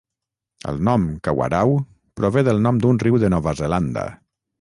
El nom "Kawarau" prové del nom d'un riu de Nova Zelanda.